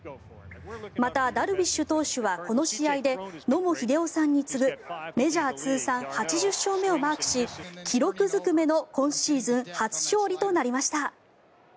また、ダルビッシュ投手はこの試合で野茂英雄さんに次ぐメジャー通算８０勝目をマークし記録ずくめの今シーズン初勝利となりました。